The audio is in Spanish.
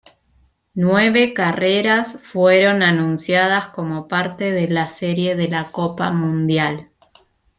Nueve carreras fueron anunciadas como parte de la serie de la Copa Mundial.